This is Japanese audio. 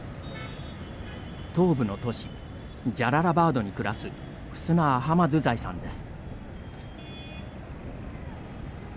東部の都市ジャララバードに暮らすフスナ・アハマドゥザイさんです。